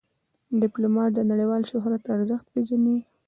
ډيپلومات د نړیوال شهرت ارزښت پېژني.